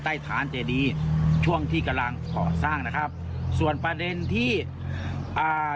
ใต้ฐานเจดีช่วงที่กำลังก่อสร้างนะครับส่วนประเด็นที่อ่า